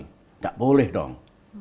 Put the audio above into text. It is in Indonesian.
nggak boleh dong